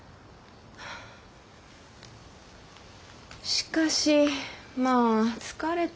しかしまぁ疲れた。